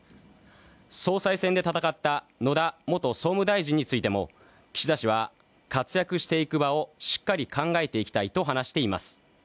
総裁選で戦った野田元総務大臣についても岸田氏は活躍していく場をしっかり考えていきたいと考えています。